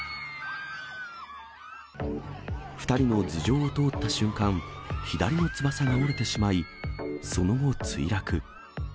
２人の頭上を通った瞬間、左の翼が折れてしまい、その後、墜落。